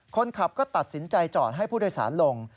คนขับก็ตัดสินใจจอดให้ผู้โดยสารลง